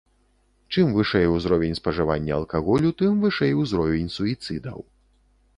Чым вышэй узровень спажывання алкаголю, тым вышэй узровень суіцыдаў.